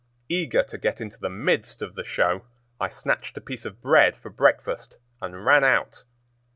Eager to get into the midst of the show, I snatched a piece of bread for breakfast and ran out.